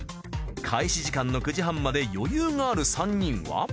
開始時間の９時半まで余裕がある３人は。